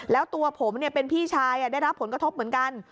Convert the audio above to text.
แล้วตัวผมเป็นพี่ชายได้รับผลกระทบเหมือนกัน